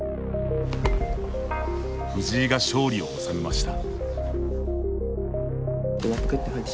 藤井が勝利を収めました。